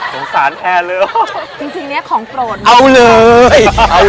สงสารแทนเลย